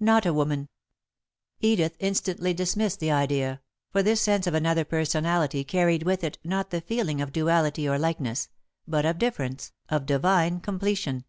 Not a woman Edith instantly dismissed the idea, for this sense of another personality carried with it not the feeling of duality or likeness, but of difference, of divine completion.